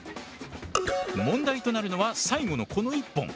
問題となるのは最後のこの１本。